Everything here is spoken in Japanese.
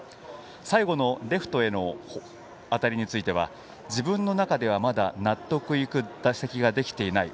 最後のレフトへの当たりについては自分の中ではまだ納得いく打席ができていない。